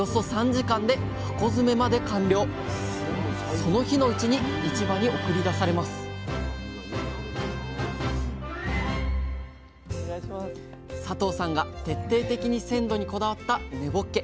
その日のうちに市場に送り出されます佐藤さんが徹底的に鮮度にこだわった根ぼっけ。